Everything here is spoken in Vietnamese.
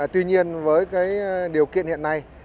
tuy nhiên với điều kiện hiện nay